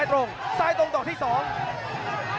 ต้องการสวัสดีค่ะ